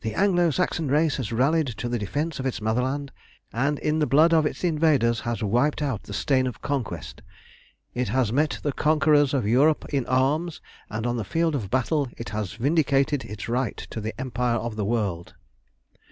The Anglo Saxon race has rallied to the defence of its motherland, and in the blood of its invaders has wiped out the stain of conquest. It has met the conquerors of Europe in arms, and on the field of battle it has vindicated its right to the empire of the world.